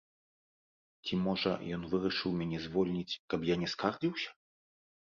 Ці можа, ён вырашыў мяне звольніць, каб я не скардзіўся?